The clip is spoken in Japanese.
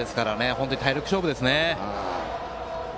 本当に体力勝負ですね。